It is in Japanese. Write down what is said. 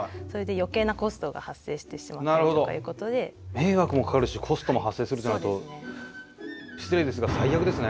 迷惑もかかるしコストも発生するとなると失礼ですが最悪ですね。